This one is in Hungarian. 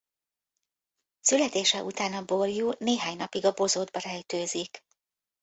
Születése után a borjú néhány napig a bozótba rejtőzik.